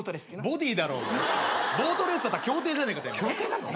ボディーだろボートレースだったら競艇じゃねえか。